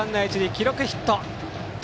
記録はヒット。